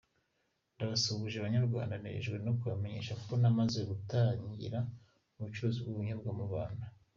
Ndabasubuje banyarwanda. Nejejwe no kubamenyesha ko namaze gutangira ubucuruzi bw’ubuyonyabwa mu Rwanda.”